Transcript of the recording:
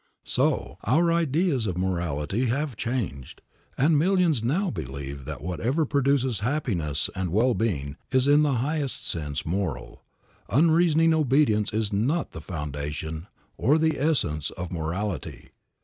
So, our ideas of morality have changed, and millions now believe that whatever produces happiness and well being is in the highest sense moral. Unreasoning obedience is not the foundation or the essence of morality.